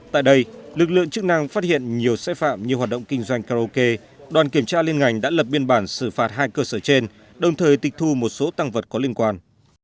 tại đây lực lượng chức năng phát hiện nhiều sai phạm như hoạt động kinh doanh karaoke đoàn kiểm tra liên ngành đã lập biên bản xử phạt hai cơ sở trên đồng thời tịch thu một số tăng vật có liên quan